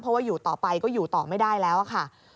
เพราะว่าอยู่ต่อไปก็อยู่ต่อไม่ได้แล้วค่ะ